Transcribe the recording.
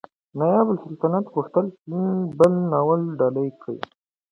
نایبالسلطنه غوښتل بل ناول ډالۍ کړي.